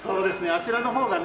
あちらの方がね